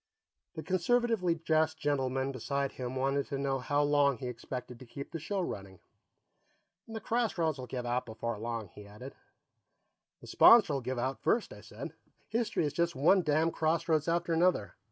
The conservatively dressed gentleman beside him wanted to know how long he expected to keep the show running. "The crossroads will give out before long," he added. "The sponsor'll give out first," I said. "History is just one damn crossroads after another."